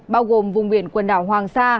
bao gồm vùng biển quần đảo hoàng sa